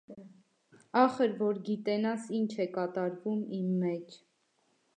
Ախր, որ գիտենաս ինչ է կատարվում իմ մեջ…